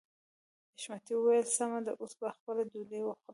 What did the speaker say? حشمتي وويل سمه ده اوس به خپله ډوډۍ وخورو.